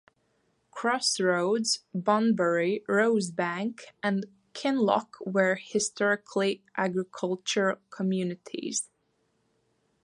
Cross Roads, Bunbury, Rosebank and Kinlock were historically agricultural communities.